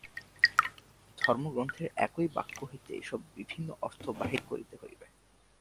ধর্মগ্রন্থের একই বাক্য হইতে এইসব বিভিন্ন অর্থ বাহির করিতে হইবে।